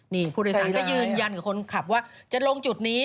นี่ผู้โดยสารก็ยืนยันกับคนขับว่าจะลงจุดนี้